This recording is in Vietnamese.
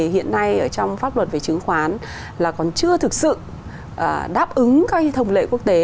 hiện nay trong pháp luật về chứng khoán là còn chưa thực sự đáp ứng các thông lệ quốc tế